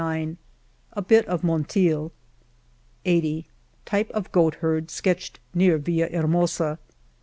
78 A bit of Monteil, 7p Type of goatherd, sketched near ViUahermosa